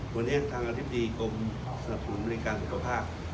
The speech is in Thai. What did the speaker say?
วันนี้ทางอธิบดีกรมสนับสนุนบริการสุขภาพ